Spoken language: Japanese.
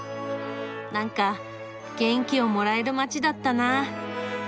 なんか元気をもらえる街だったな。